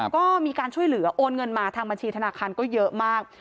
ก็มีการช่วยเหลือโอนเงินมาทางบัญชีธนาคารก็เยอะมาก